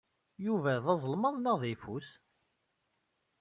Yuba d azelmaḍ neɣ d ayeffus?